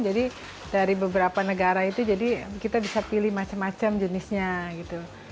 jadi dari beberapa negara itu jadi kita bisa pilih macam macam jenisnya gitu